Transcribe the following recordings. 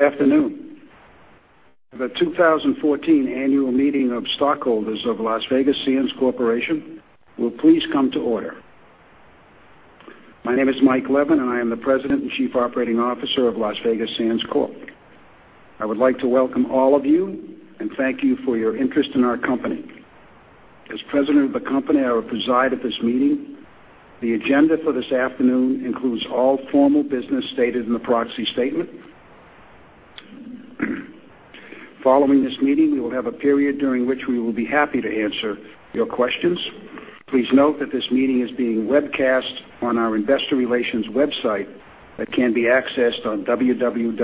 Good afternoon. The 2014 Annual Meeting of Stockholders of Las Vegas Sands Corporation will please come to order. My name is Mike Leven, and I am the President and Chief Operating Officer of Las Vegas Sands Corp. I would like to welcome all of you and thank you for your interest in our company. As president of the company, I will preside at this meeting. The agenda for this afternoon includes all formal business stated in the proxy statement. Following this meeting, we will have a period during which we will be happy to answer your questions. Please note that this meeting is being webcast on our investor relations website that can be accessed on www.sands.com.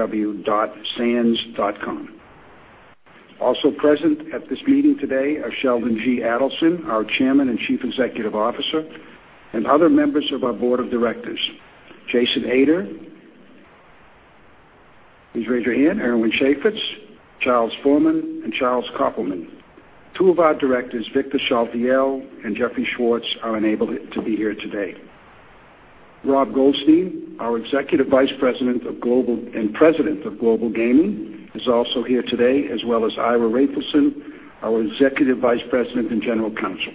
Also present at this meeting today are Sheldon G. Adelson, our Chairman and Chief Executive Officer, and other members of our board of directors, Jason Ader. Please raise your hand, Irwin Chafetz, Charles Forman, and Charles Koppelman. Two of our directors, Victor Saltiel and Jeffrey Schwartz, are unable to be here today. Rob Goldstein, our Executive Vice President and President of Global Gaming, is also here today, as well as Ira Raphaelson, our Executive Vice President and General Counsel.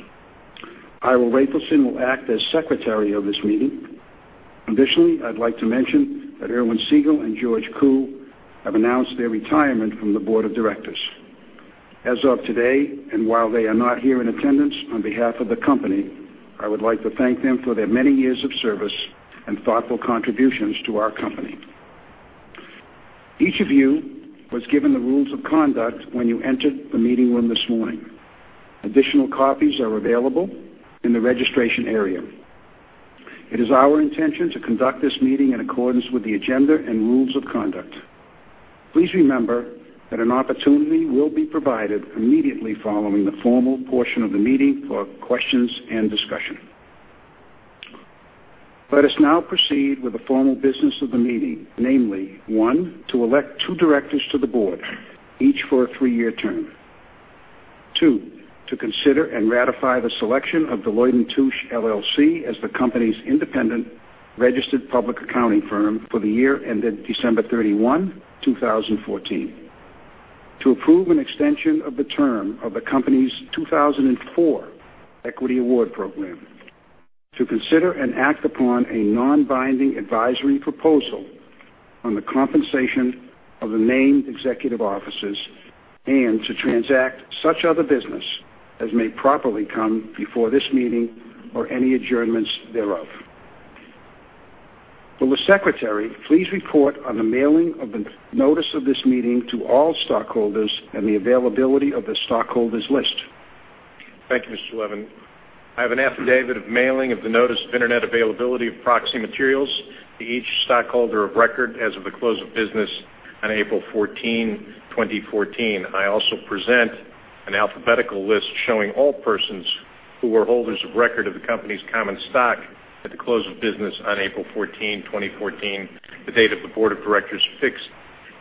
Ira Raphaelson will act as secretary of this meeting. Additionally, I'd like to mention that Irwin Siegel and George Koo have announced their retirement from the board of directors. As of today, and while they are not here in attendance, on behalf of the company, I would like to thank them for their many years of service and thoughtful contributions to our company. Each of you was given the rules of conduct when you entered the meeting room this morning. Additional copies are available in the registration area. It is our intention to conduct this meeting in accordance with the agenda and rules of conduct. Please remember that an opportunity will be provided immediately following the formal portion of the meeting for questions and discussion. Let us now proceed with the formal business of the meeting, namely, one, to elect two directors to the board, each for a three-year term. Two, to consider and ratify the selection of Deloitte & Touche LLP as the company's independent registered public accounting firm for the year ended December 31, 2014. To approve an extension of the term of the company's 2004 Equity Award Plan, to consider and act upon a non-binding advisory proposal on the compensation of the named executive officers, and to transact such other business as may properly come before this meeting or any adjournments thereof. Will the secretary please report on the mailing of the notice of this meeting to all stockholders and the availability of the stockholders list? Thank you, Mr. Leven. I have an affidavit of mailing of the notice of Internet availability of proxy materials to each stockholder of record as of the close of business on April 14, 2014. I also present an alphabetical list showing all persons who were holders of record of the company's common stock at the close of business on April 14, 2014, the date of the board of directors fixed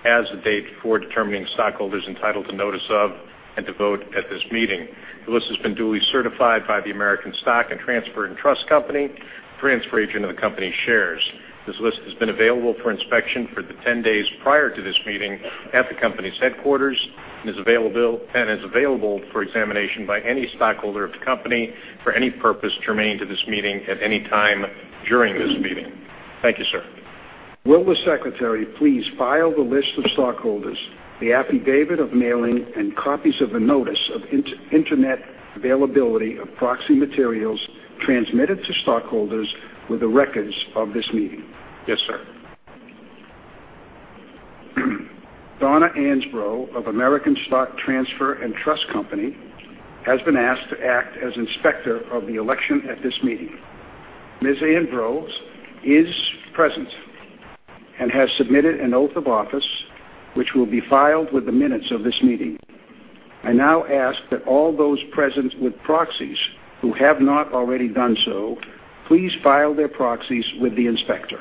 as the date for determining stockholders entitled to notice of and to vote at this meeting. The list has been duly certified by the American Stock Transfer & Trust Company, transfer agent of the company's shares. This list has been available for inspection for the 10 days prior to this meeting at the company's headquarters and is available for examination by any stockholder of the company for any purpose germane to this meeting at any time during this meeting. Thank you, sir. Will the secretary please file the list of stockholders, the affidavit of mailing, and copies of the notice of Internet availability of proxy materials transmitted to stockholders with the records of this meeting? Yes, sir. Donna Ansbro of American Stock Transfer and Trust Company has been asked to act as inspector of the election at this meeting. Ms. Ansbro is present and has submitted an oath of office, which will be filed with the minutes of this meeting. I now ask that all those present with proxies, who have not already done so, please file their proxies with the inspector.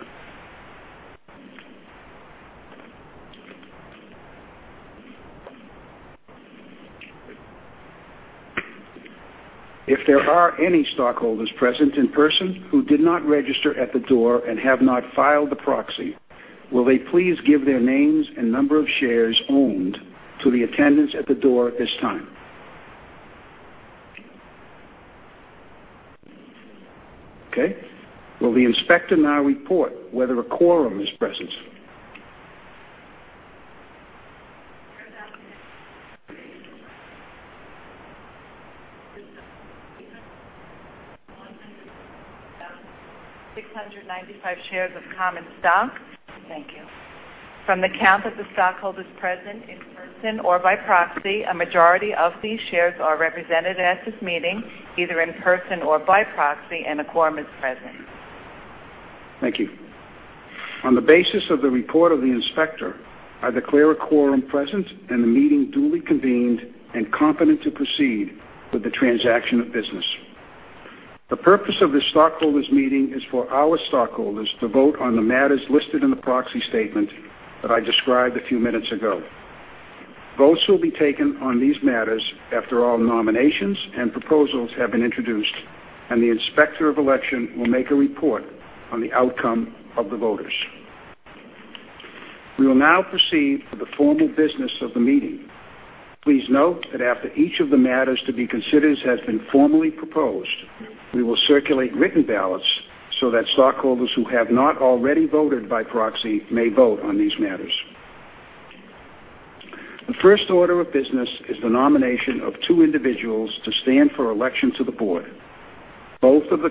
If there are any stockholders present in person who did not register at the door and have not filed the proxy, will they please give their names and number of shares owned to the attendants at the door at this time? Okay. Will the inspector now report whether a quorum is present? 695 shares of common stock. Thank you. From the count of the stockholders present in person or by proxy, a majority of these shares are represented at this meeting, either in person or by proxy, and a quorum is present. Thank you. On the basis of the report of the inspector, I declare a quorum present and the meeting duly convened and competent to proceed with the transaction of business. The purpose of this stockholders meeting is for our stockholders to vote on the matters listed in the proxy statement that I described a few minutes ago. Votes will be taken on these matters after all nominations and proposals have been introduced, and the Inspector of Election will make a report on the outcome of the votes. We will now proceed with the formal business of the meeting. Please note that after each of the matters to be considered has been formally proposed, we will circulate written ballots so that stockholders who have not already voted by proxy may vote on these matters. The first order of business is the nomination of two individuals to stand for election to the board. Both of the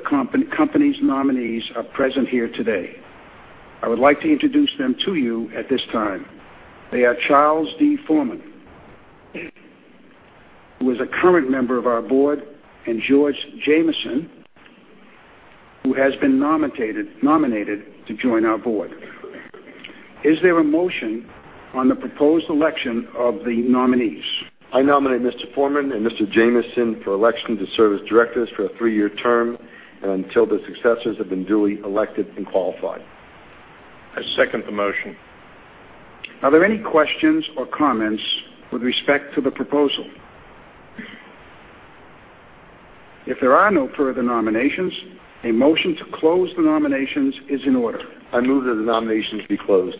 company's nominees are present here today. I would like to introduce them to you at this time. They are Charles D. Forman, who is a current member of our board, and George Jamieson, who has been nominated to join our board. Is there a motion on the proposed election of the nominees? I nominate Mr. Forman and Mr. Jamieson for election to serve as directors for a three-year term, and until their successors have been duly elected and qualified. I second the motion. Are there any questions or comments with respect to the proposal? If there are no further nominations, a motion to close the nominations is in order. I move that the nominations be closed.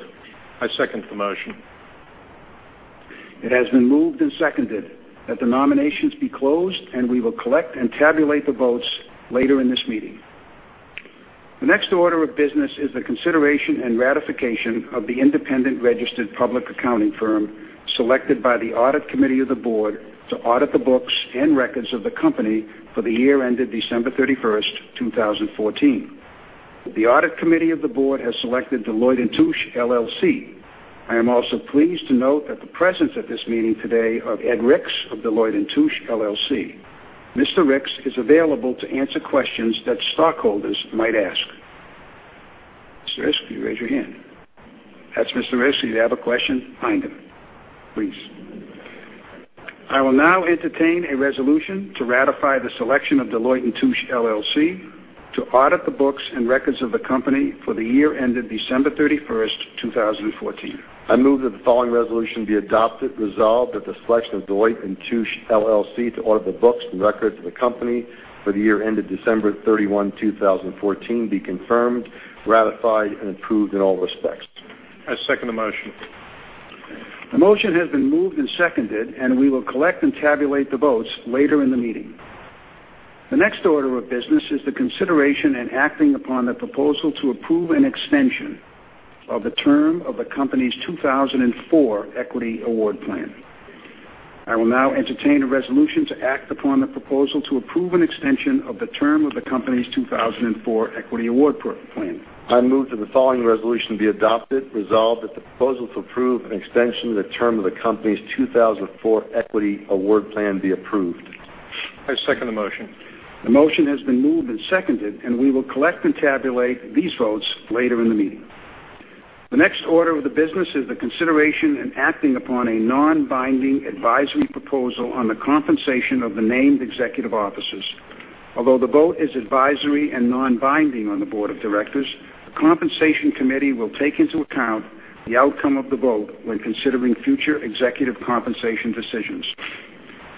I second the motion. It has been moved and seconded that the nominations be closed, and we will collect and tabulate the votes later in this meeting. The next order of business is the consideration and ratification of the independent registered public accounting firm selected by the audit committee of the board to audit the books and records of the company for the year ended December 31st, 2014. The audit committee of the board has selected Deloitte & Touche, LLC. I am also pleased to note that the presence at this meeting today of Ed Ricks of Deloitte & Touche, LLC. Mr. Ricks is available to answer questions that stockholders might ask. Mr. Ricks, can you raise your hand? That's Mr. Ricks. If you have a question, find him, please. I will now entertain a resolution to ratify the selection of Deloitte & Touche, LLC to audit the books and records of the company for the year ended December 31st, 2014. I move that the following resolution be adopted: resolved that the selection of Deloitte & Touche, LLC to audit the books and records of the company for the year ended December 31, 2014, be confirmed, ratified, and approved in all respects. I second the motion. The motion has been moved and seconded, and we will collect and tabulate the votes later in the meeting. The next order of business is the consideration and acting upon the proposal to approve an extension of the term of the company's 2004 Equity Award Plan. I will now entertain a resolution to act upon the proposal to approve an extension of the term of the company's 2004 Equity Award Plan. I move that the following resolution be adopted: resolved that the proposal to approve an extension of the term of the company's 2004 Equity Award Plan be approved. I second the motion. The motion has been moved and seconded, and we will collect and tabulate these votes later in the meeting. The next order of the business is the consideration and acting upon a non-binding advisory proposal on the compensation of the named executive officers. Although the vote is advisory and non-binding on the board of directors, the compensation committee will take into account the outcome of the vote when considering future executive compensation decisions.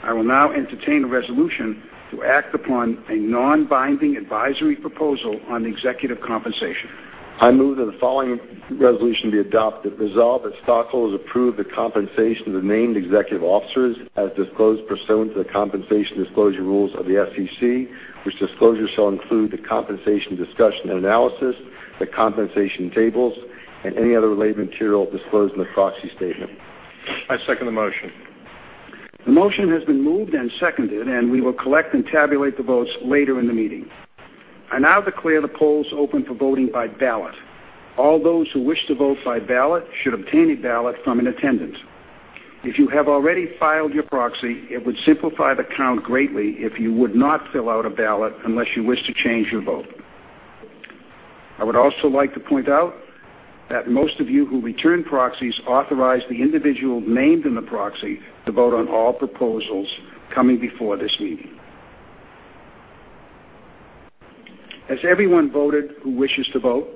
I will now entertain a resolution to act upon a non-binding advisory proposal on executive compensation. I move that the following resolution be adopted: resolved that stockholders approve the compensation of the named executive officers as disclosed pursuant to the compensation disclosure rules of the SEC, which disclosure shall include the compensation discussion and analysis, the compensation tables, and any other related material disclosed in the proxy statement. I second the motion. The motion has been moved and seconded, and we will collect and tabulate the votes later in the meeting. I now declare the polls open for voting by ballot. All those who wish to vote by ballot should obtain a ballot from an attendant. If you have already filed your proxy, it would simplify the count greatly if you would not fill out a ballot unless you wish to change your vote. I would also like to point out that most of you who returned proxies authorized the individual named in the proxy to vote on all proposals coming before this meeting. Has everyone voted who wishes to vote?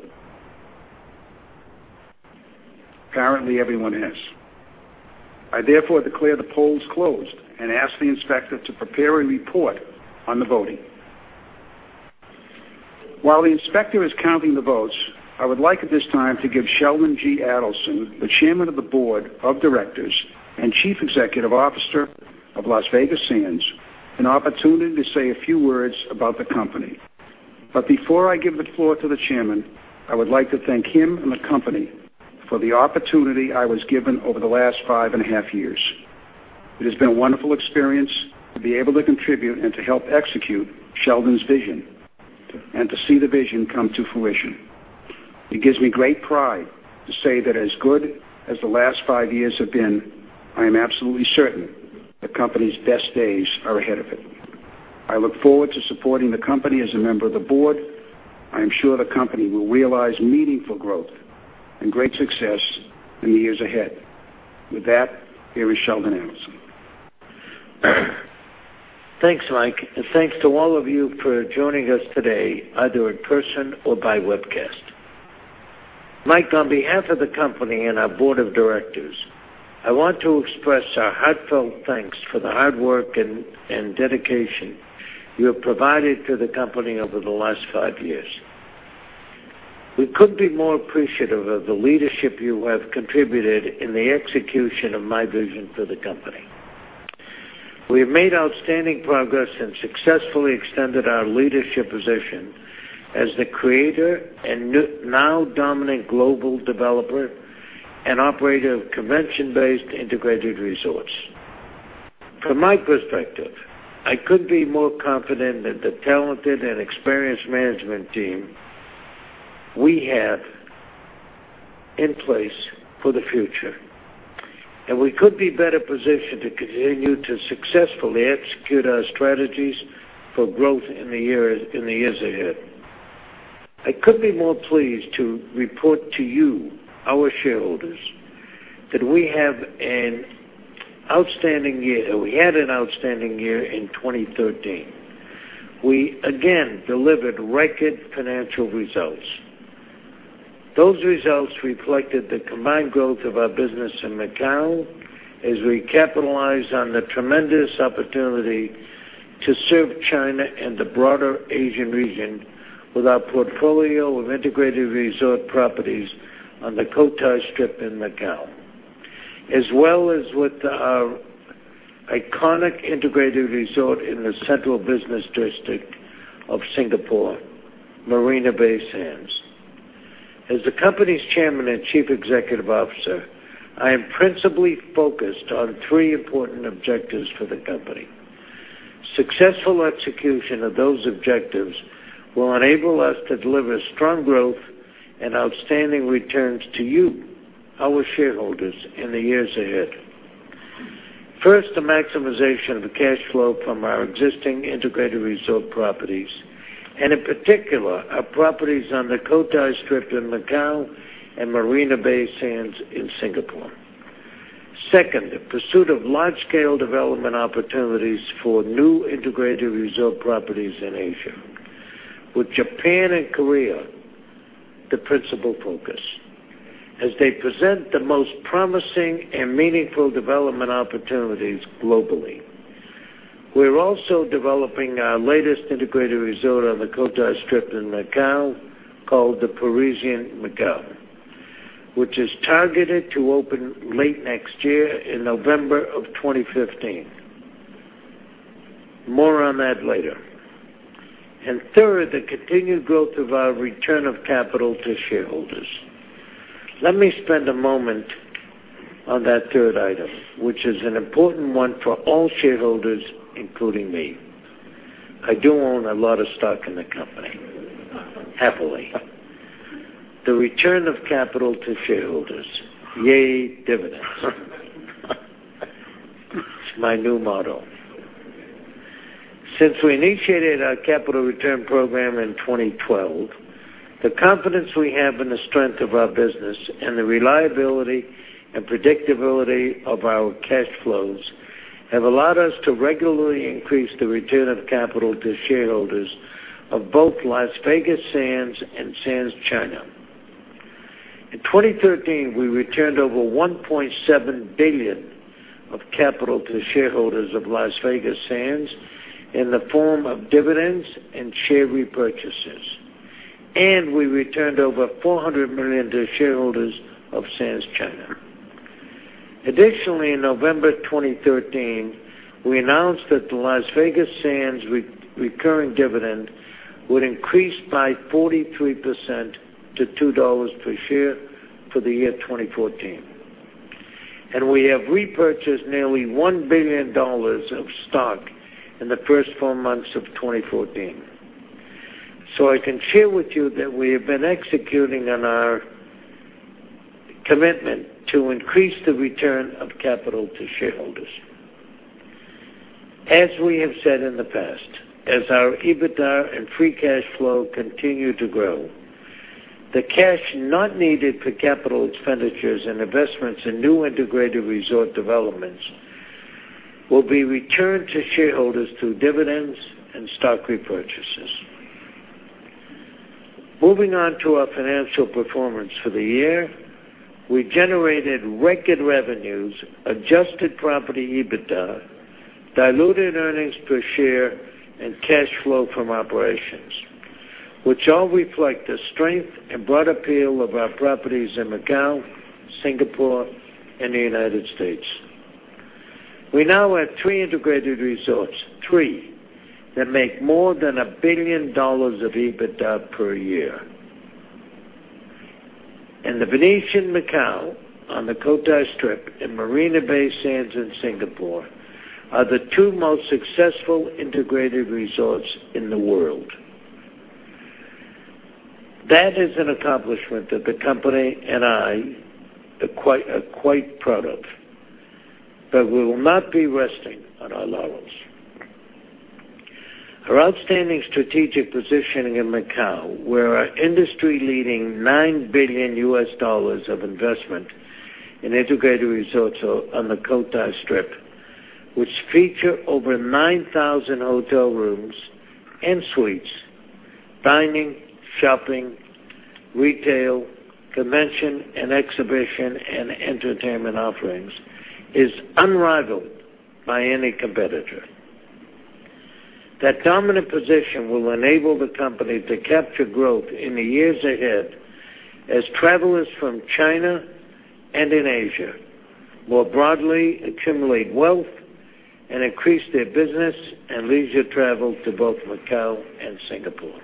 Apparently, everyone has. I therefore declare the polls closed and ask the inspector to prepare a report on the voting. While the inspector is counting the votes, I would like at this time to give Sheldon G. Adelson, the Chairman of the Board of Directors and Chief Executive Officer of Las Vegas Sands, an opportunity to say a few words about the company. Before I give the floor to the Chairman, I would like to thank him and the company for the opportunity I was given over the last five and a half years. It has been a wonderful experience to be able to contribute and to help execute Sheldon's vision and to see the vision come to fruition. It gives me great pride to say that as good as the last five years have been, I am absolutely certain the company's best days are ahead of it. I look forward to supporting the company as a member of the board. I am sure the company will realize meaningful growth and great success in the years ahead. With that, here is Sheldon Adelson. Thanks, Mike, and thanks to all of you for joining us today, either in person or by webcast. Mike, on behalf of the company and our Board of Directors, I want to express our heartfelt thanks for the hard work and dedication you have provided to the company over the last five years. We couldn't be more appreciative of the leadership you have contributed in the execution of my vision for the company. We have made outstanding progress and successfully extended our leadership position as the creator and now dominant global developer and operator of convention-based integrated resorts. From my perspective, I couldn't be more confident than the talented and experienced management team we have in place for the future. We couldn't be better positioned to continue to successfully execute our strategies for growth in the years ahead. I couldn't be more pleased to report to you, our shareholders, that we had an outstanding year in 2013. We again delivered record financial results. Those results reflected the combined growth of our business in Macao as we capitalized on the tremendous opportunity to serve China and the broader Asian region with our portfolio of integrated resort properties on the Cotai Strip in Macao, as well as with our iconic integrated resort in the central business district of Singapore, Marina Bay Sands. As the company's Chairman and Chief Executive Officer, I am principally focused on three important objectives for the company. Successful execution of those objectives will enable us to deliver strong growth and outstanding returns to you, our shareholders, in the years ahead. First, the maximization of cash flow from our existing integrated resort properties, in particular, our properties on the Cotai Strip in Macao and Marina Bay Sands in Singapore. Second, the pursuit of large-scale development opportunities for new integrated resort properties in Asia, with Japan and Korea the principal focus, as they present the most promising and meaningful development opportunities globally. We're also developing our latest integrated resort on the Cotai Strip in Macao, called The Parisian Macao, which is targeted to open late next year in November of 2015. More on that later. Third, the continued growth of our return of capital to shareholders. Let me spend a moment on that third item, which is an important one for all shareholders, including me. I do own a lot of stock in the company, heavily. The return of capital to shareholders. Yay, dividends. It's my new motto. Since we initiated our capital return program in 2012, the confidence we have in the strength of our business and the reliability and predictability of our cash flows have allowed us to regularly increase the return of capital to shareholders of both Las Vegas Sands and Sands China. In 2013, we returned over $1.7 billion of capital to shareholders of Las Vegas Sands in the form of dividends and share repurchases, and we returned over $400 million to shareholders of Sands China. Additionally, in November 2013, we announced that the Las Vegas Sands recurring dividend would increase by 43% to $2 per share for the year 2014, and we have repurchased nearly $1 billion of stock in the first four months of 2014. I can share with you that we have been executing on our commitment to increase the return of capital to shareholders. As we have said in the past, as our EBITDA and free cash flow continue to grow, the cash not needed for capital expenditures and investments in new integrated resort developments will be returned to shareholders through dividends and stock repurchases. Moving on to our financial performance for the year. We generated record revenues, adjusted property EBITDA, diluted earnings per share, and cash flow from operations, which all reflect the strength and broad appeal of our properties in Macao, Singapore, and the United States. We now have three integrated resorts that make more than $1 billion of EBITDA per year. The Venetian Macao on the Cotai Strip and Marina Bay Sands in Singapore are the two most successful integrated resorts in the world. That is an accomplishment that the company and I are quite proud of, we will not be resting on our laurels. Our outstanding strategic positioning in Macao, where our industry-leading $9 billion of investment in integrated resorts on the Cotai Strip, which feature over 9,000 hotel rooms and suites, dining, shopping, retail, convention, and exhibition and entertainment offerings, is unrivaled by any competitor. That dominant position will enable the company to capture growth in the years ahead as travelers from China and in Asia more broadly accumulate wealth and increase their business and leisure travel to both Macao and Singapore.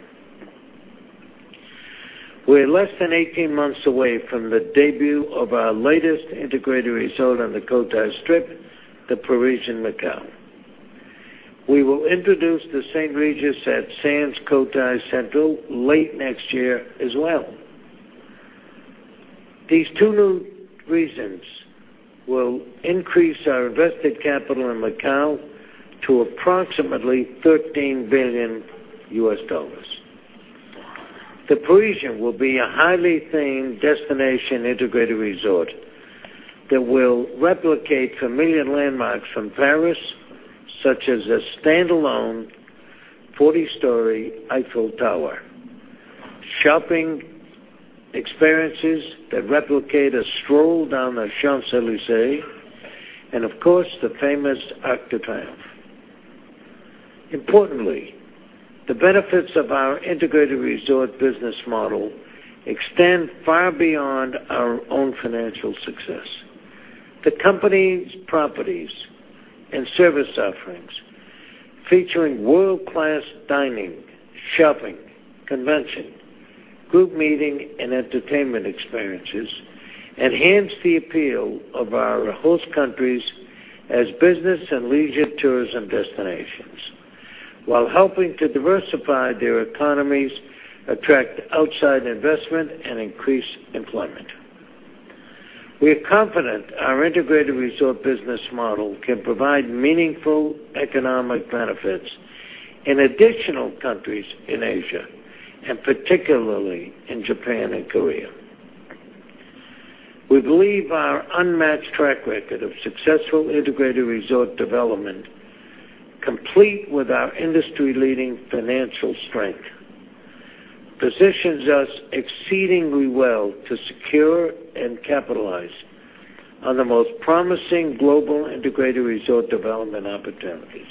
We're less than 18 months away from the debut of our latest integrated resort on the Cotai Strip, The Parisian Macao. We will introduce the St. Regis at Sands Cotai Central late next year as well. These two new resorts will increase our invested capital in Macao to approximately $13 billion. The Parisian will be a highly themed destination integrated resort that will replicate familiar landmarks from Paris, such as a standalone 40-story Eiffel Tower, shopping experiences that replicate a stroll down the Champs-Élysées, of course, the famous Arc de Triomphe. Importantly, the benefits of our integrated resort business model extend far beyond our own financial success. The company's properties and service offerings, featuring world-class dining, shopping, convention, group meeting, and entertainment experiences, enhance the appeal of our host countries as business and leisure tourism destinations while helping to diversify their economies, attract outside investment, and increase employment. We are confident our integrated resort business model can provide meaningful economic benefits in additional countries in Asia, particularly in Japan and Korea. We believe our unmatched track record of successful integrated resort development, complete with our industry-leading financial strength, positions us exceedingly well to secure and capitalize on the most promising global integrated resort development opportunities.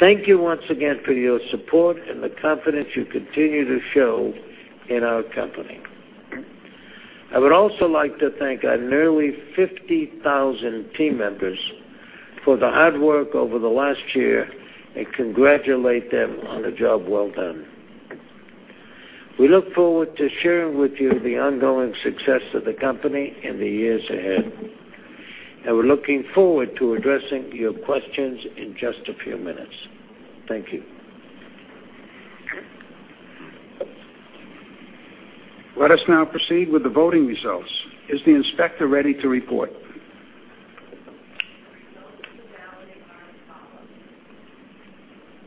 Thank you once again for your support and the confidence you continue to show in our company. I would also like to thank our nearly 50,000 team members for the hard work over the last year and congratulate them on a job well done. We look forward to sharing with you the ongoing success of the company in the years ahead. We're looking forward to addressing your questions in just a few minutes. Thank you. Let us now proceed with the voting results. Is the inspector ready to report?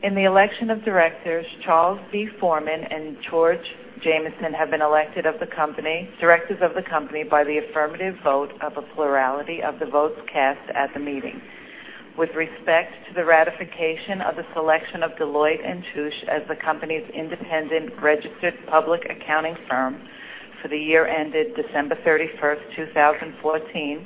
The results of the balloting are as follows. In the election of directors, Charles D. Forman and George Jamison have been elected directors of the company by the affirmative vote of a plurality of the votes cast at the meeting. With respect to the ratification of the selection of Deloitte & Touche as the company's independent registered public accounting firm for the year ended December 31st, 2014,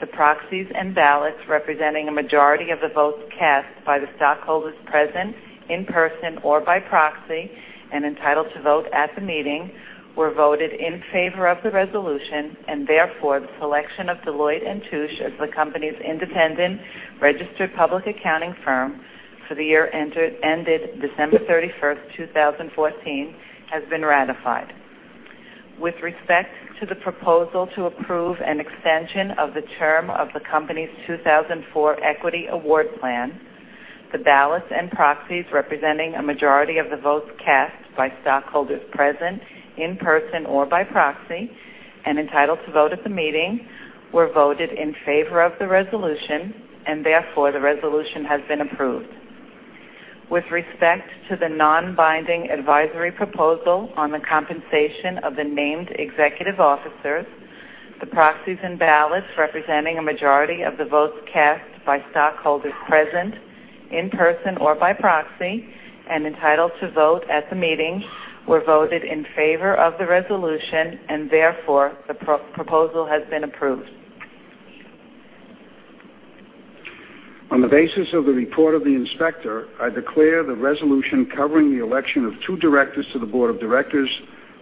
the proxies and ballots representing a majority of the votes cast by the stockholders present in person or by proxy and entitled to vote at the meeting were voted in favor of the resolution, and therefore, the selection of Deloitte & Touche as the company's independent registered public accounting firm for the year ended December 31st, 2014, has been ratified. With respect to the proposal to approve an extension of the term of the company's 2004 equity award plan, the ballots and proxies representing a majority of the votes cast by stockholders present in person or by proxy and entitled to vote at the meeting were voted in favor of the resolution, and therefore, the resolution has been approved. With respect to the non-binding advisory proposal on the compensation of the named executive officers, the proxies and ballots representing a majority of the votes cast by stockholders present in person or by proxy and entitled to vote at the meeting were voted in favor of the resolution, and therefore, the proposal has been approved. On the basis of the report of the inspector, I declare the resolution covering the election of two directors to the board of directors,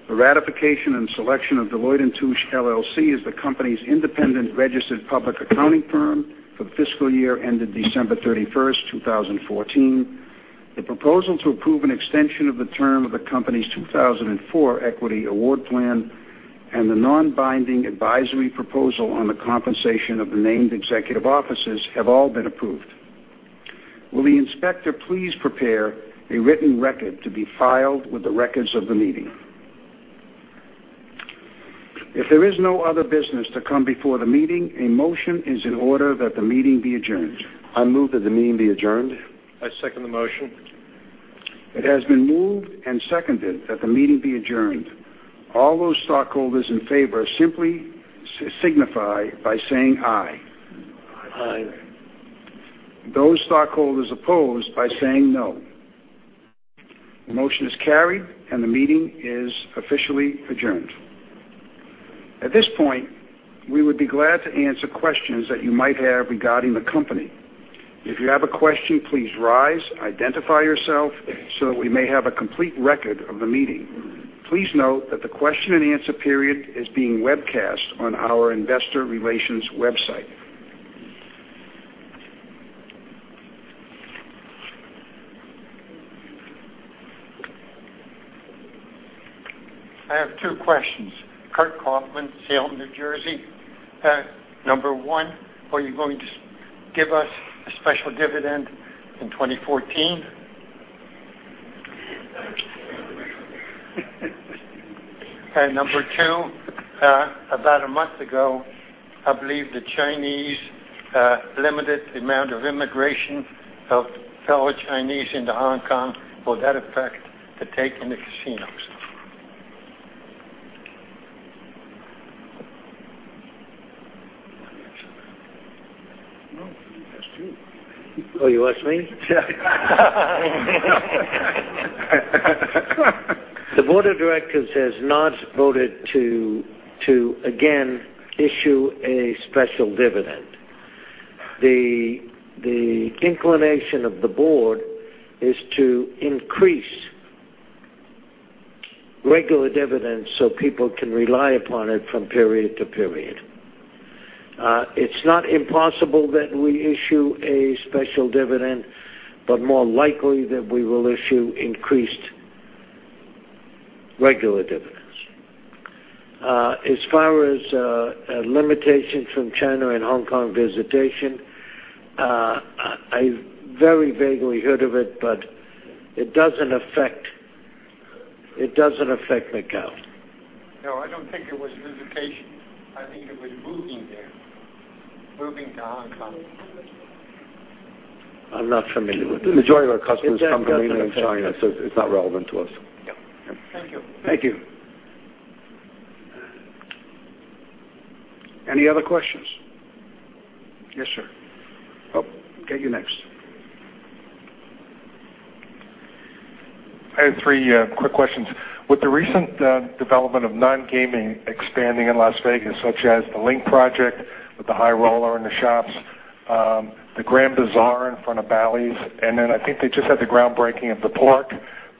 the ratification and selection of Deloitte & Touche LLP as the company's independent registered public accounting firm for the fiscal year ended December 31st, 2014, the proposal to approve an extension of the term of the company's 2004 equity award plan, and the non-binding advisory proposal on the compensation of the named executive officers have all been approved. Will the inspector please prepare a written record to be filed with the records of the meeting? If there is no other business to come before the meeting, a motion is in order that the meeting be adjourned. I move that the meeting be adjourned. I second the motion. It has been moved and seconded that the meeting be adjourned. All those stockholders in favor simply signify by saying aye. Aye. Those stockholders opposed by saying no. The motion is carried, and the meeting is officially adjourned. At this point, we would be glad to answer questions that you might have regarding the company. If you have a question, please rise, identify yourself so that we may have a complete record of the meeting. Please note that the question and answer period is being webcast on our investor relations website. I have two questions. Kurt Kaufman, Salem, New Jersey. Number one, are you going to give us a special dividend in 2014? Number two, about a month ago, I believe the Chinese limited the amount of immigration of fellow Chinese into Hong Kong. Will that affect the take in the casinos? You want to answer that? No, he asked you. Oh, he asked me? The board of directors has not voted to, again, issue a special dividend. The inclination of the board is to increase regular dividends so people can rely upon it from period to period. It's not impossible that we issue a special dividend, but more likely that we will issue increased regular dividends. As far as limitations from China and Hong Kong visitation, I very vaguely heard of it, but it doesn't affect Macao. No, I don't think it was visitation. I think it was moving there, moving to Hong Kong. I'm not familiar with this. The majority of our customers come from mainland China. It's not relevant to us. Yep. Thank you. Thank you. Any other questions? Yes, sir. Okay. You next. I have three quick questions. With the recent development of non-gaming expanding in Las Vegas, such as The LINQ Promenade with the High Roller and the shops, the Grand Bazaar Shops in front of Bally's, I think they just had the groundbreaking of the park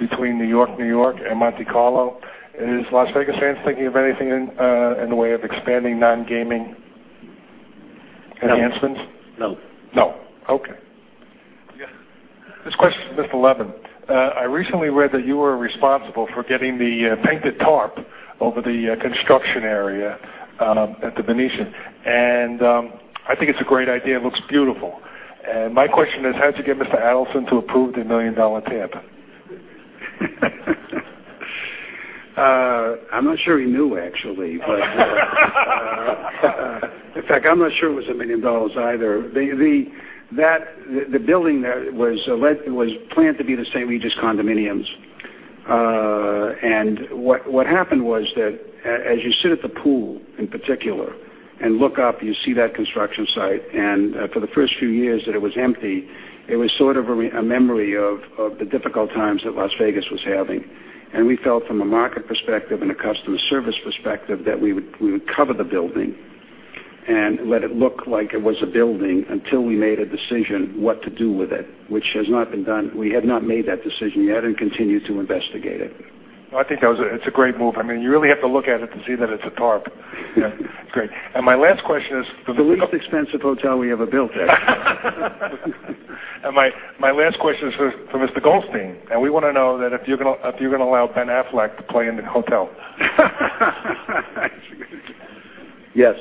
between New York-New York and Monte Carlo. Is Las Vegas Sands thinking of anything in the way of expanding non-gaming enhancements? No. No. Okay. Yes. This question is for Mr. Leven. I recently read that you were responsible for getting the painted tarp over the construction area at The Venetian, and I think it's a great idea. It looks beautiful. My question is, how'd you get Mr. Adelson to approve the $1 million tarp? I'm not sure he knew, actually. In fact, I'm not sure it was $1 million either. The building there was planned to be the St. Regis condominiums. What happened was that as you sit at the pool in particular and look up, you see that construction site. For the first few years that it was empty, it was sort of a memory of the difficult times that Las Vegas was having. We felt from a market perspective and a customer service perspective that we would cover the building and let it look like it was a building until we made a decision what to do with it, which has not been done. We have not made that decision yet and continue to investigate it. Well, I think it's a great move. You really have to look at it to see that it's a tarp. Yeah. It's great. My last question is. It's the least expensive hotel we ever built there. My last question is for Mr. Goldstein. We want to know that if you're going to allow Ben Affleck to play in the hotel. Yes.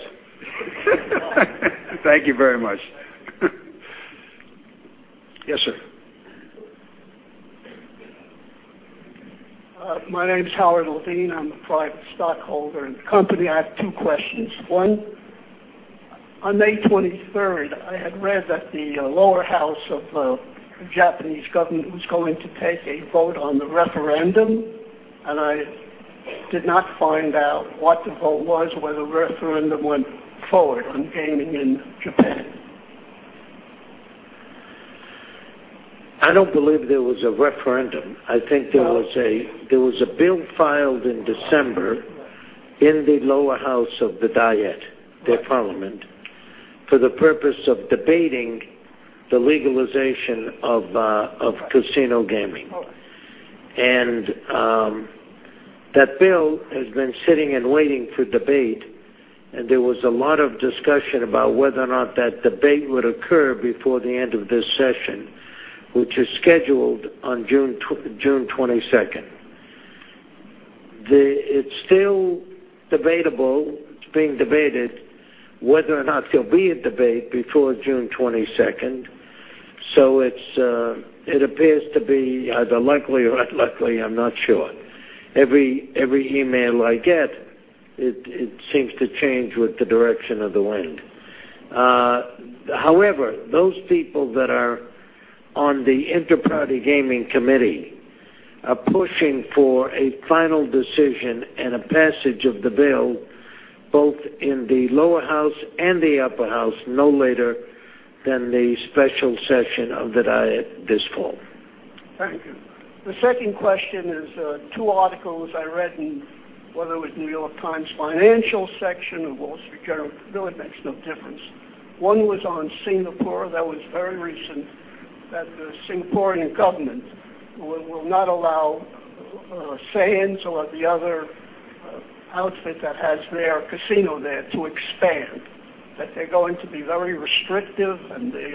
Thank you very much. Yes, sir. My name is Howard Levine. I'm a private stockholder in the company. I have two questions. One, on May 23rd, I had read that the lower house of the Japanese government was going to take a vote on the referendum, and I did not find out what the vote was or whether the referendum went forward on gaming in Japan. I don't believe there was a referendum. I think there was a bill filed in December in the lower house of the Diet, their parliament, for the purpose of debating the legalization of casino gaming. All right. That bill has been sitting and waiting for debate, and there was a lot of discussion about whether or not that debate would occur before the end of this session, which is scheduled on June 22nd. It is still debatable. It is being debated whether or not there will be a debate before June 22nd. It appears to be either luckily or unluckily, I am not sure. Every email I get, it seems to change with the direction of the wind. However, those people that are on the Interparty Gaming Committee are pushing for a final decision and a passage of the bill, both in the lower house and the upper house, no later than the special session of the Diet this fall. Thank you. The second question is two articles I read in, whether it was New York Times financial section or Wall Street Journal, really makes no difference. One was on Singapore, that was very recent, that the Singaporean government will not allow Sands or the other outfit that has their casino there to expand. That they are going to be very restrictive, and they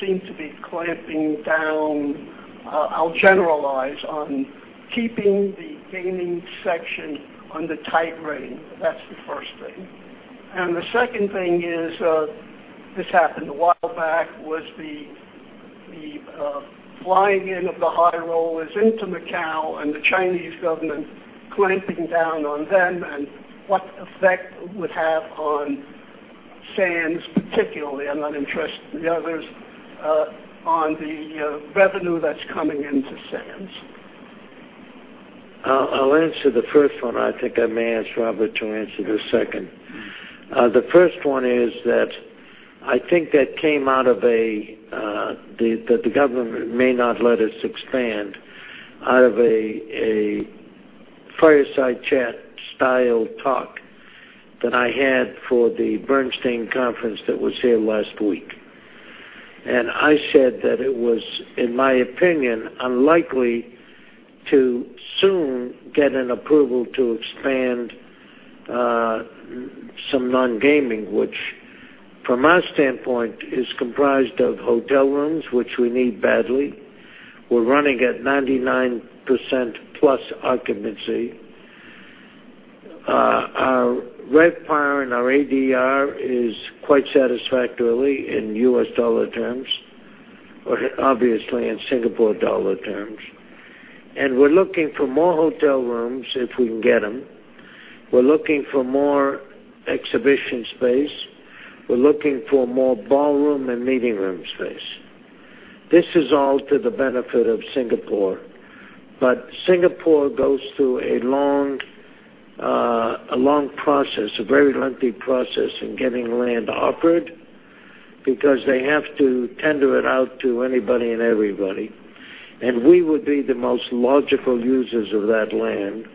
seem to be clamping down, I will generalize, on keeping the gaming section under tight rein. That is the first thing. The second thing is, this happened a while back, was the flying in of the high rollers into Macau and the Chinese government clamping down on them and what effect it would have on Sands particularly, I am not interested in the others, on the revenue that is coming into Sands. I'll answer the first one. I think I may ask Robert to answer the second. The first one is that I think that came out of a, the government may not let us expand out of a fireside chat style talk that I had for the Bernstein conference that was here last week. I said that it was, in my opinion, unlikely to soon get an approval to expand some non-gaming, which from our standpoint is comprised of hotel rooms, which we need badly. We're running at 99%-plus occupancy. Our RevPAR and our ADR is quite satisfactorily in U.S. dollar terms, obviously in Singapore dollar terms. We're looking for more hotel rooms if we can get them. We're looking for more exhibition space. We're looking for more ballroom and meeting room space. This is all to the benefit of Singapore. Singapore goes through a long process, a very lengthy process in getting land offered because they have to tender it out to anybody and everybody. We would be the most logical users of that land.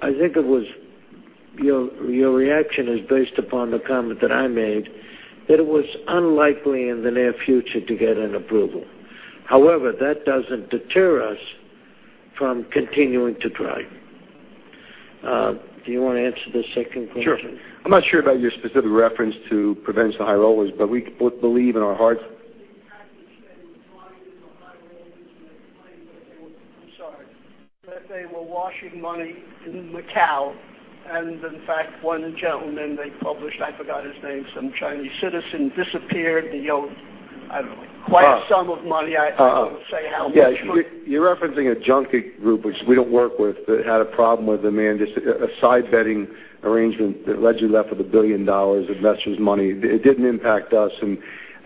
I think your reaction is based upon the comment that I made, that it was unlikely in the near future to get an approval. However, that doesn't deter us from continuing to try. Do you want to answer the second question? Sure. I'm not sure about your specific reference to prevents the high rollers, but we believe in our hearts- I'm sorry. That they were washing money in Macao. In fact, one gentleman they published, I forgot his name, some Chinese citizen disappeared. He owed, I don't know, quite a sum of money. I won't say how much. Yeah. You're referencing a junket group, which we don't work with, that had a problem with a man, just a side betting arrangement that allegedly left with $1 billion of investors' money. It didn't impact us.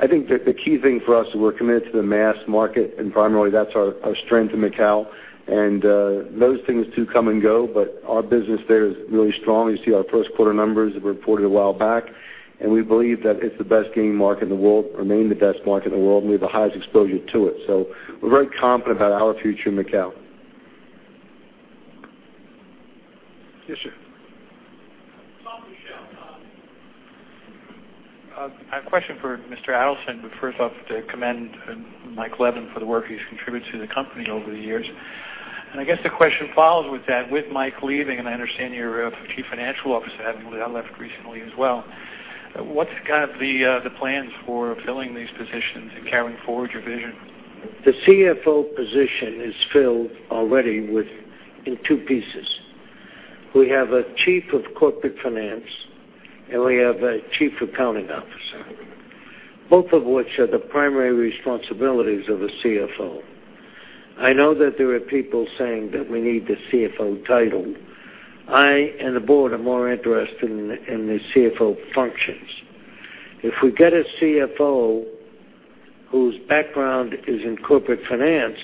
I think that the key thing for us is we're committed to the mass market, and primarily that's our strength in Macau. Those things too come and go, but our business there is really strong. You see our first quarter numbers that we reported a while back, and we believe that it's the best gaming market in the world, remain the best market in the world, and we have the highest exposure to it. We're very confident about our future in Macau. Yes, sir. I have a question for Mr. Adelson, but first I have to commend Michael Leven for the work he's contributed to the company over the years. I guess the question follows with that. With Mike leaving, and I understand your Chief Financial Officer, having left recently as well, what's the plans for filling these positions and carrying forward your vision? The CFO position is filled already in two pieces. We have a Chief of Corporate Finance, and we have a Chief Accounting Officer, both of which are the primary responsibilities of a CFO. I know that there are people saying that we need the CFO title. I and the board are more interested in the CFO functions. If we get a CFO whose background is in corporate finance,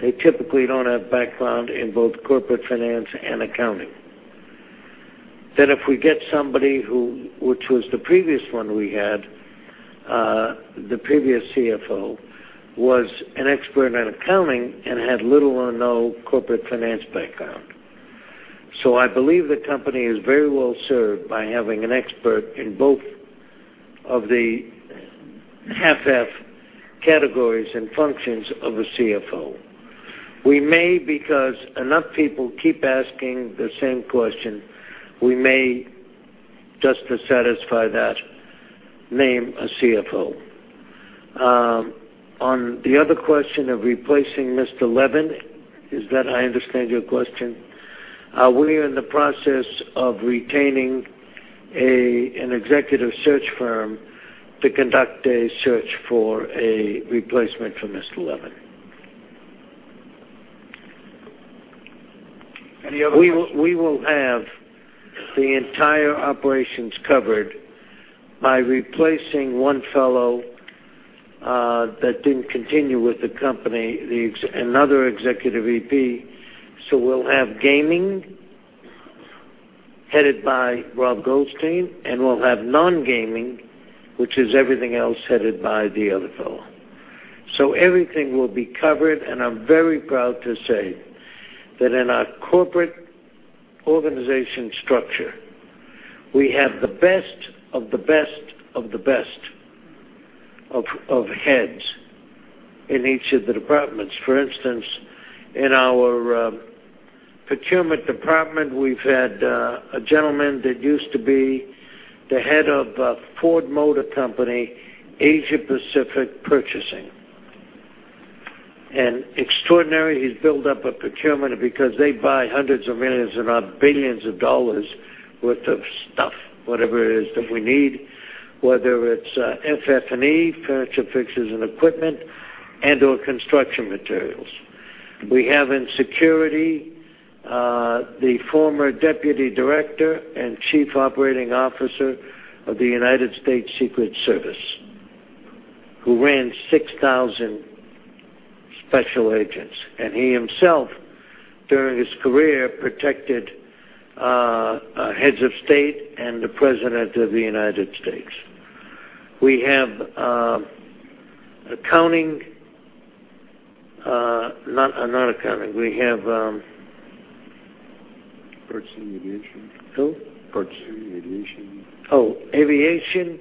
they typically don't have background in both corporate finance and accounting. If we get somebody, which was the previous one we had, the previous CFO was an expert in accounting and had little or no corporate finance background. I believe the company is very well-served by having an expert in both of the half-half categories and functions of a CFO. We may, because enough people keep asking the same question, we may, just to satisfy that, name a CFO. On the other question of replacing Mr. Leven, is that I understand your question? We are in the process of retaining an executive search firm to conduct a search for a replacement for Mr. Leven. Any other questions? We will have the entire operations covered by replacing one fellow that didn't continue with the company, another executive VP. We'll have gaming, headed by Robert Goldstein, and we'll have non-gaming, which is everything else, headed by the other fellow. Everything will be covered, and I'm very proud to say that in our corporate organization structure, we have the best of the best of the best of heads in each of the departments. For instance, in our procurement department, we've had a gentleman that used to be the head of Ford Motor Company Asia-Pacific Purchasing. Extraordinary, he's built up a procurement because they buy hundreds of millions, if not billions of dollars worth of stuff, whatever it is that we need, whether it's FF&E, furniture, fixtures, and equipment, and/or construction materials. We have in security, the former deputy director and chief operating officer of the United States Secret Service, who ran 6,000 special agents. And he himself, during his career, protected heads of state and the president of the United States. We have accounting Not accounting. We have Purchasing, aviation. Who? Purchasing, aviation. Oh, aviation.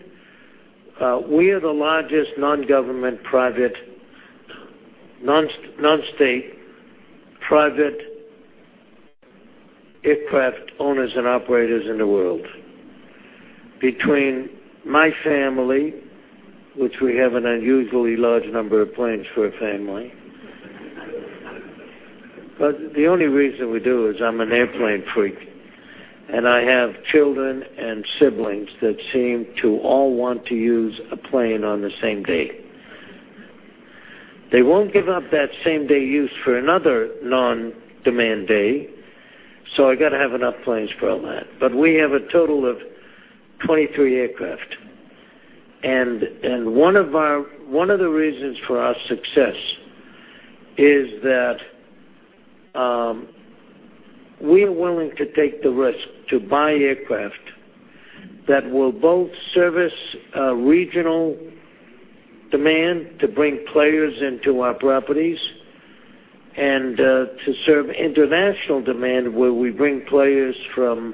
We are the largest non-government, non-state, private aircraft owners and operators in the world. Between my family, which we have an unusually large number of planes for a family. The only reason we do is I'm an airplane freak, and I have children and siblings that seem to all want to use a plane on the same day. They won't give up that same-day use for another non-demand day, so I got to have enough planes for all that. We have a total of 23 aircraft. One of the reasons for our success is that we're willing to take the risk to buy aircraft that will both service regional demand to bring players into our properties and to serve international demand, where we bring players from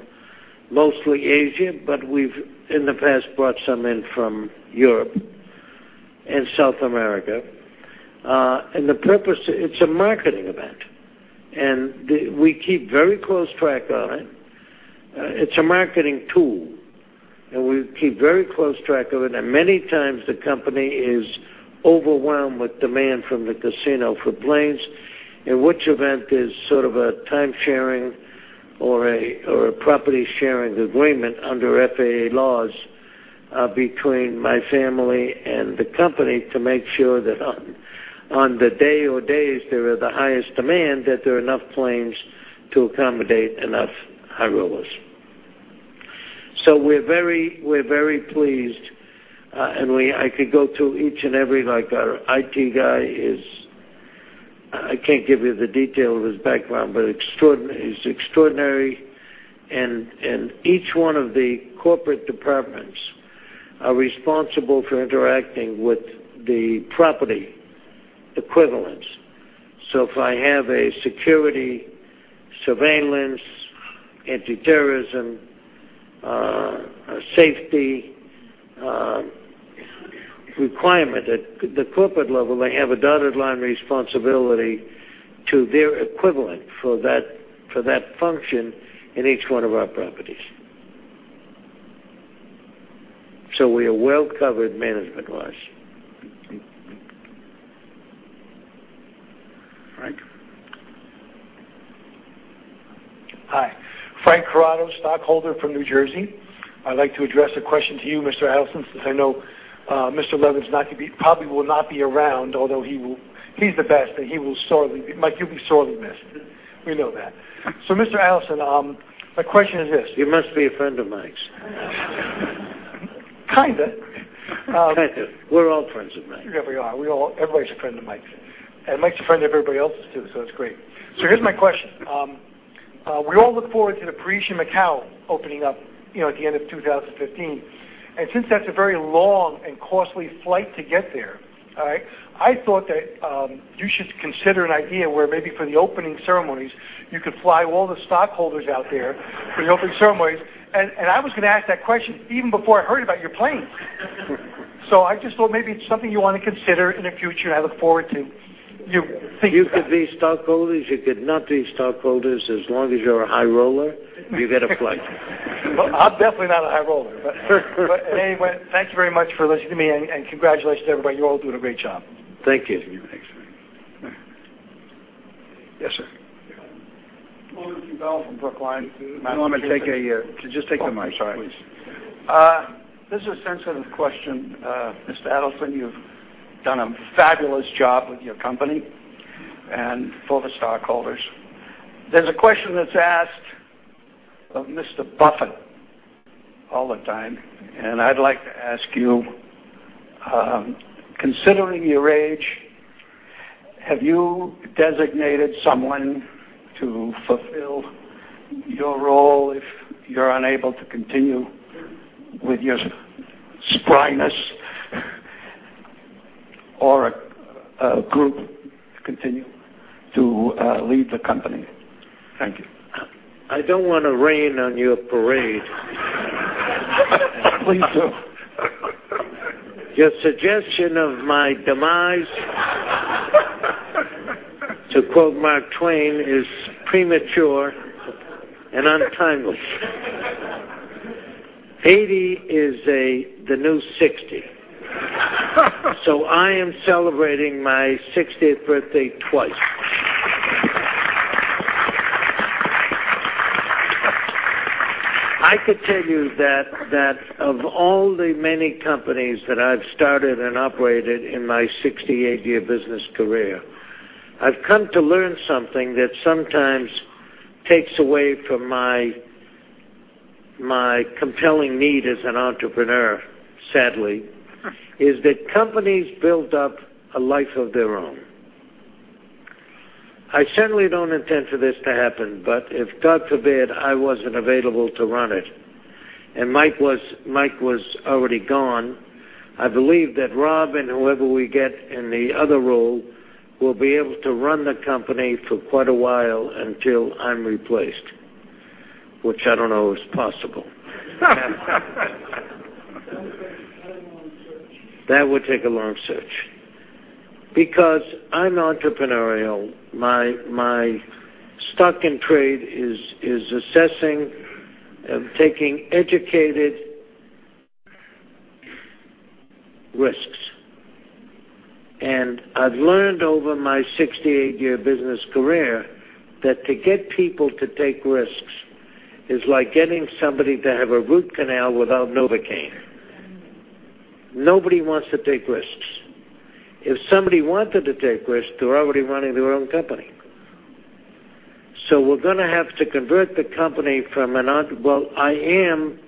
mostly Asia, but we've, in the past, brought some in from Europe and South America. The purpose, it's a marketing event, and we keep very close track of it. It's a marketing tool, and we keep very close track of it. Many times, the company is overwhelmed with demand from the casino for planes, in which event there's sort of a time-sharing or a property-sharing agreement under FAA laws between my family and the company to make sure that on the day or days there are the highest demand, that there are enough planes to accommodate enough high rollers. We're very pleased. I could go through each and every, like our IT guy is, I can't give you the detail of his background, but he's extraordinary. Each one of the corporate departments are responsible for interacting with the property equivalents. If I have a security, surveillance, anti-terrorism, safety requirement at the corporate level, I have a dotted line responsibility to their equivalent for that function in each one of our properties. We are well-covered management-wise. Frank? Hi. Frank Corrado, stockholder from New Jersey. I'd like to address a question to you, Mr. Adelson, since I know Mr. Leven probably will not be around, although he's the best, and Mike, you'll be sorely missed. We know that. Mr. Adelson, my question is this- You must be a friend of Mike's. Kind of. Kind of. We're all friends of Mike's. Yeah, we are. Everybody's a friend of Mike's. Mike's a friend of everybody else's too, so it's great. Here's my question. We all look forward to the Parisian Macao opening up at the end of 2015. Since that's a very long and costly flight to get there, I thought that you should consider an idea where maybe for the opening ceremonies, you could fly all the stockholders out there for the opening ceremonies. I was going to ask that question even before I heard about your plane. I just thought maybe it's something you want to consider in the future, and I look forward to you thinking about it. You could be stockholders, you could not be stockholders. As long as you're a high roller, you get a flight. Well, I'm definitely not a high roller. Anyway, thank you very much for listening to me, and congratulations to everybody. You're all doing a great job. Thank you. Thanks. Yes, sir. William T. Bell from Brookline, Massachusetts. Could you just take the mic, please? Oh, I'm sorry. This is a sensitive question, Mr. Adelson. You've done a fabulous job with your company and for the stockholders. There's a question that's asked of Mr. Buffett all the time, and I'd like to ask you, considering your age, have you designated someone to fulfill your role if you're unable to continue with your spryness, or a group to continue to lead the company? Thank you. I don't want to rain on your parade. Please do. Your suggestion of my demise, to quote Mark Twain, is premature and untimely. 80 is the new 60. I am celebrating my 60th birthday twice. I could tell you that of all the many companies that I've started and operated in my 68-year business career, I've come to learn something that sometimes takes away from my compelling need as an entrepreneur, sadly, is that companies build up a life of their own. I certainly don't intend for this to happen, but if, God forbid, I wasn't available to run it and Mike was already gone, I believe that Rob and whoever we get in the other role will be able to run the company for quite a while, until I'm replaced, which I don't know is possible. That would take a long search. That would take a long search. Because I'm entrepreneurial, my stock in trade is assessing, taking educated risks. I've learned over my 68-year business career that to get people to take risks is like getting somebody to have a root canal without Novocain. Nobody wants to take risks. If somebody wanted to take risks, they're already running their own company. We're going to have to convert the company from an. Well, I am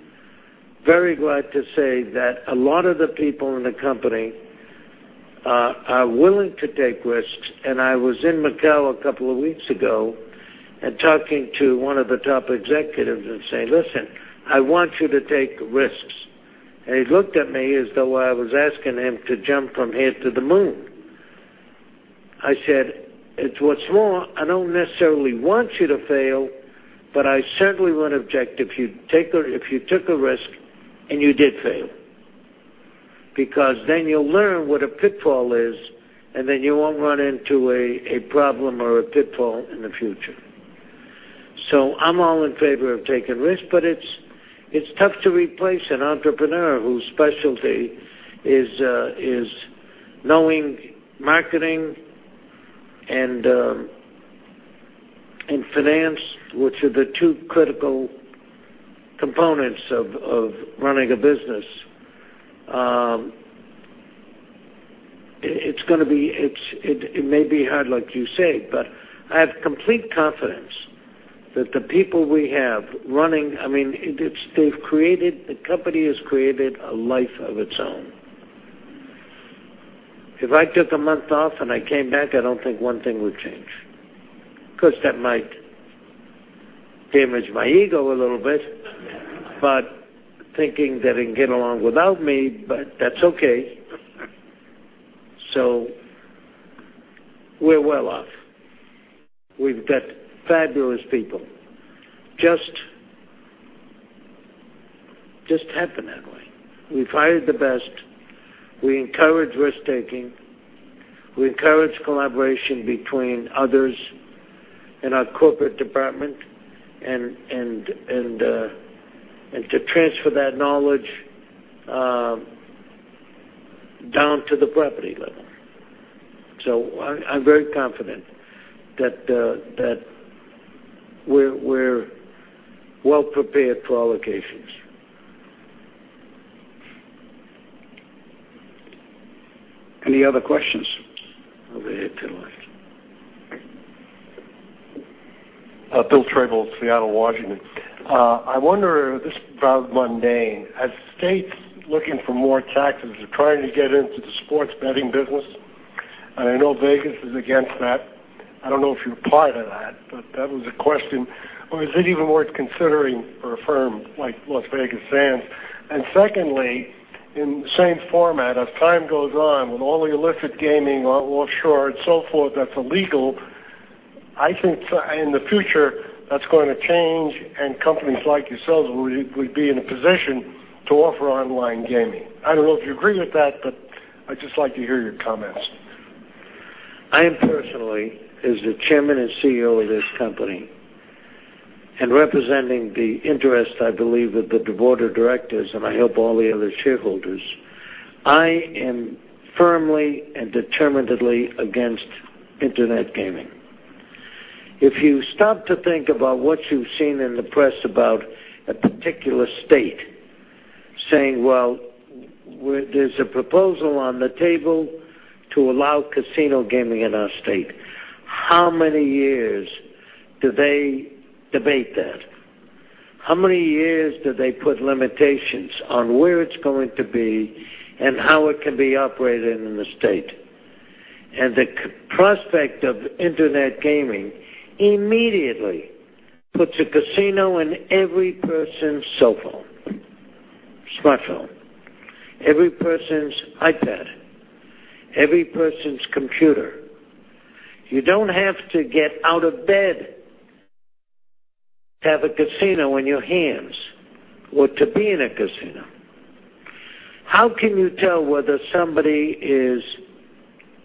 very glad to say that a lot of the people in the company are willing to take risks, and I was in Macao a couple of weeks ago and talking to one of the top executives and saying, "Listen, I want you to take risks." He looked at me as though I was asking him to jump from here to the moon. I said, "what's more, I don't necessarily want you to fail, but I certainly wouldn't object if you took a risk and you did fail, because then you'll learn what a pitfall is, and then you won't run into a problem or a pitfall in the future." I'm all in favor of taking risks, but it's tough to replace an entrepreneur whose specialty is knowing marketing and finance, which are the two critical components of running a business. It may be hard like you say, but I have complete confidence that the people we have running. The company has created a life of its own. If I took a month off and I came back, I don't think one thing would change. Of course, that might damage my ego a little bit. Thinking that it can get along without me, but that's okay. We're well off. We've got fabulous people. Just happened that way. We've hired the best. We encourage risk-taking. We encourage collaboration between others in our corporate department and to transfer that knowledge down to the property level. I'm very confident that we're well prepared for all occasions. Any other questions? Over here to the left. Bill Tribal, Seattle, Washington. I wonder, this is probably mundane. As states looking for more taxes are trying to get into the sports betting business, and I know Vegas is against that. I don't know if you're part of that, but that was a question. Or is it even worth considering for a firm like Las Vegas Sands? Secondly, in the same format, as time goes on, with all the illicit gaming offshore and so forth, that's illegal, I think in the future, that's going to change, and companies like yourselves would be in a position to offer online gaming. I don't know if you agree with that, but I'd just like to hear your comments. I personally, as the chairman and CEO of this company representing the interest, I believe, of the board of directors, and I hope all the other shareholders, I am firmly and determinedly against internet gaming. If you stop to think about what you've seen in the press about a particular state saying, "Well, there's a proposal on the table to allow casino gaming in our state," how many years do they debate that? How many years do they put limitations on where it's going to be and how it can be operated in the state? The prospect of internet gaming immediately puts a casino in every person's cell phone, smartphone, every person's iPad, every person's computer. You don't have to get out of bed to have a casino in your hands or to be in a casino. How can you tell whether somebody is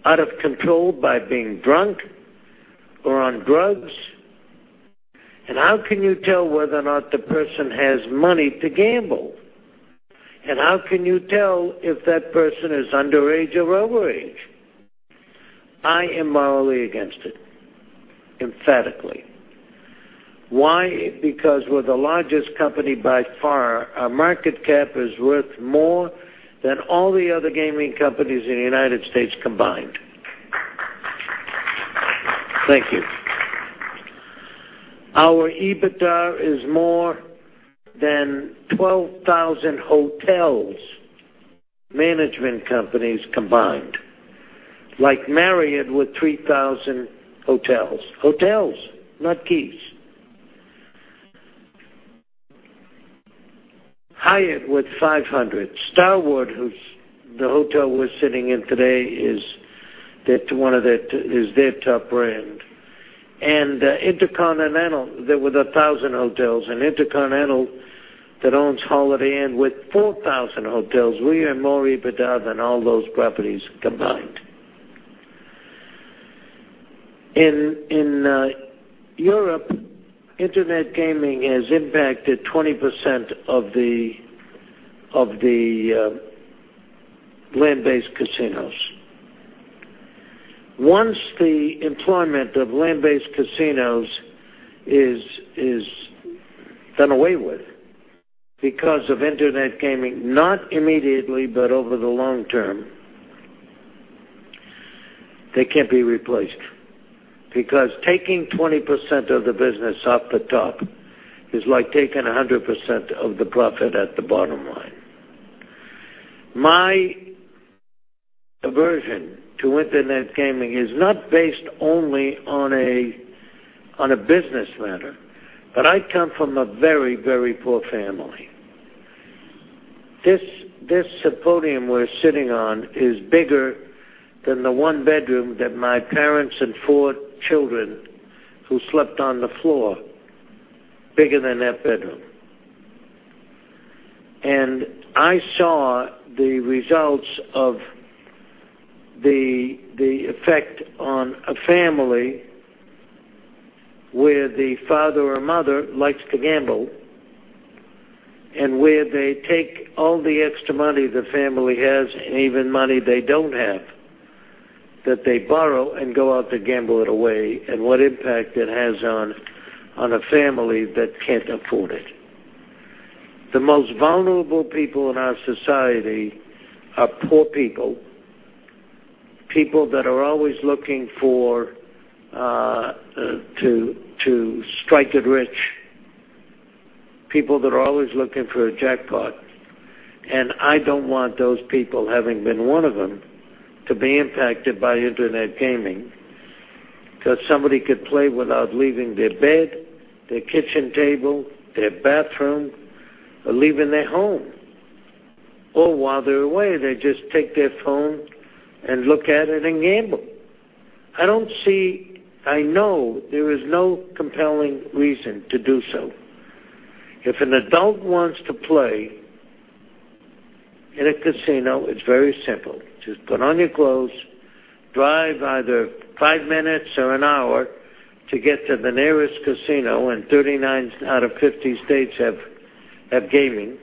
out of control by being drunk or on drugs? How can you tell whether or not the person has money to gamble? How can you tell if that person is underage or overage? I am morally against it, emphatically. Why? Because we're the largest company by far. Our market cap is worth more than all the other gaming companies in the U.S. combined. Thank you. Our EBITDA is more than 12,000 hotels management companies combined, like Marriott with 3,000 hotels. Hotels, not keys. Hyatt with 500. Starwood, the hotel we're sitting in today, is their top brand. InterContinental, with 1,000 hotels, and InterContinental that owns Holiday Inn with 4,000 hotels. We earn more EBITDA than all those properties combined. In Europe, internet gaming has impacted 20% of the land-based casinos. Once the employment of land-based casinos is done away with because of internet gaming, not immediately, but over the long term, they can't be replaced. Because taking 20% of the business off the top is like taking 100% of the profit at the bottom line. My aversion to internet gaming is not based only on a business matter, but I come from a very poor family. This podium we're sitting on is bigger than the one bedroom that my parents and four children, who slept on the floor, bigger than that bedroom. I saw the results of the effect on a family where the father or mother likes to gamble, and where they take all the extra money the family has, and even money they don't have, that they borrow and go out to gamble it away, and what impact it has on a family that can't afford it. The most vulnerable people in our society are poor people that are always looking to strike it rich, people that are always looking for a jackpot. I don't want those people, having been one of them, to be impacted by internet gaming, because somebody could play without leaving their bed, their kitchen table, their bathroom, or leaving their home. While they're away, they just take their phone and look at it and gamble. I know there is no compelling reason to do so. If an adult wants to play in a casino, it's very simple. Just put on your clothes, drive either five minutes or an hour to get to the nearest casino, and 39 out of 50 states have gaming,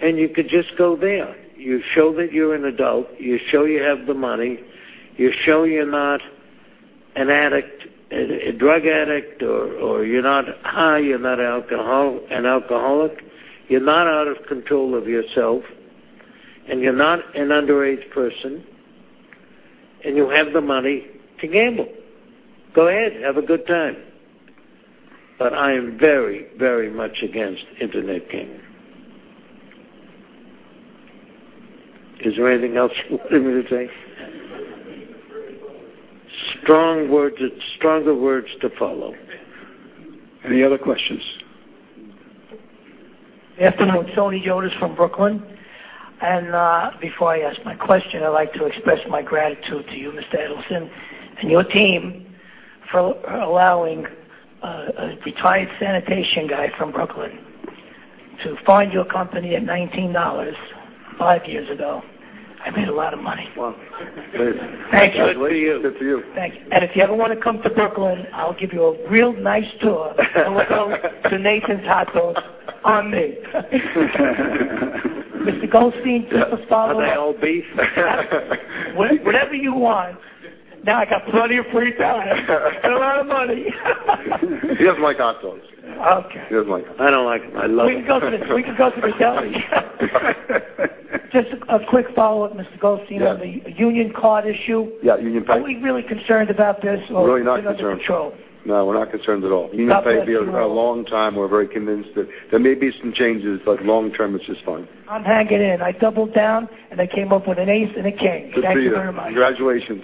and you could just go there. You show that you're an adult. You show you have the money. You show you're not a drug addict, or you're not high, you're not an alcoholic. You're not out of control of yourself, and you're not an underage person, and you have the money to gamble. Go ahead, have a good time. I am very much against internet gaming. Is there anything else you want me to say? Very well. Stronger words to follow. Any other questions? Afternoon, Tony Yotis from Brooklyn. Before I ask my question, I'd like to express my gratitude to you, Mr. Adelson, and your team for allowing a retired sanitation guy from Brooklyn to find your company at $19 five years ago, I made a lot of money. Wow. Great. Thank you. Good for you. Good for you. Thank you. If you ever want to come to Brooklyn, I'll give you a real nice tour of Nathan's Hot Dogs on me. Mr. Goldstein, just a follow-up. Are they all beef? Whatever you want. Now I got plenty of free time and a lot of money. He doesn't like hot dogs. Okay. He doesn't like them. I don't like them. I love them. We can go there, please tell me. Just a quick follow-up, Mr. Goldstein. Yeah On the union card issue. Yeah, union card. Are we really concerned about this or? We're really not concerned Is it under control? No, we're not concerned at all. Not the least at all. UnionPay has been around a long time. We're very convinced that there may be some changes, but long term, it's just fine. I'm hanging in. I doubled down, and I came up with an ace and a king. Good for you. Thank you very much. Congratulations.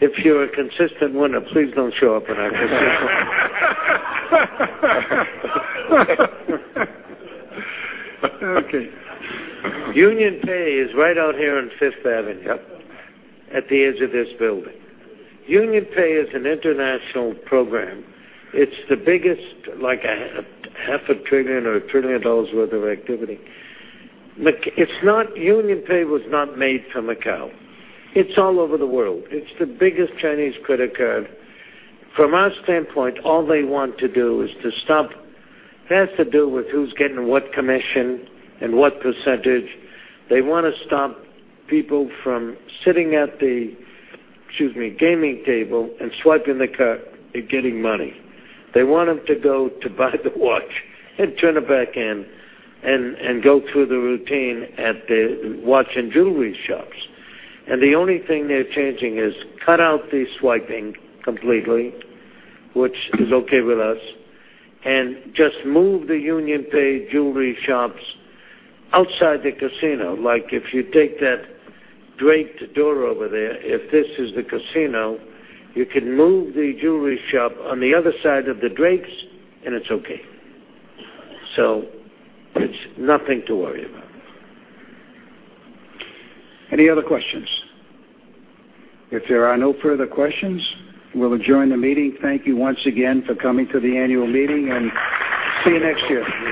If you're a consistent winner, please don't show up in our casino. Okay. Union Pay is right out here on Fifth Avenue. Yep. At the edge of this building. Union Pay is an international program. It's the biggest, like a half a trillion or a trillion dollars worth of activity. Union Pay was not made for Macau. It's all over the world. It's the biggest Chinese credit card. From our standpoint, all they want to do is to stop. It has to do with who's getting what commission and what percentage. They want to stop people from sitting at the, excuse me, gaming table and swiping the card and getting money. They want them to go to buy the watch and turn it back in and go through the routine at the watch and jewelry shops. the only thing they're changing is cut out the swiping completely, which is okay with us, and just move the Union Pay jewelry shops outside the casino. Like if you take that draped door over there, if this is the casino, you can move the jewelry shop on the other side of the drapes, and it's okay. it's nothing to worry about. Any other questions? If there are no further questions, we'll adjourn the meeting. Thank you once again for coming to the annual meeting and see you next year